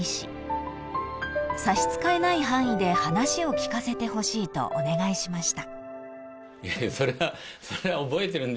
［差し支えない範囲で話を聞かせてほしいとお願いしました］